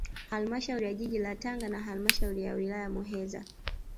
Halmashauri ya jiji la Tanga na halmashauri ya wilaya ya Muheza